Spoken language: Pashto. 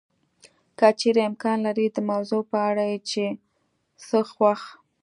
که چېرې امکان لري د موضوع په اړه یې چې څه خوښ